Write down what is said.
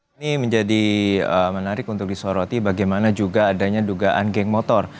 ini menjadi menarik untuk disoroti bagaimana juga adanya dugaan geng motor